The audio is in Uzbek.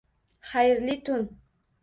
Xayrli tun.